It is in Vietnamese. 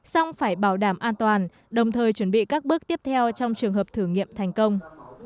xong phải bảo đảm an toàn đồng thời chuẩn bị các bước tiếp theo trong trường hợp thử nghiệm thành công